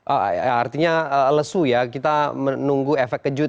oh artinya lesu ya kita menunggu efek kejut